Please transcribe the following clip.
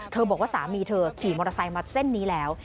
บอกว่าสามีเธอขี่มอเตอร์ไซค์มาเส้นนี้แล้ว